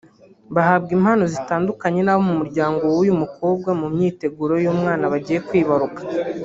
bahabwa impano zitandukanye n’abo mu muryango w’uyu mukobwa mu myiteguro y’umwana bagiye kwibaruka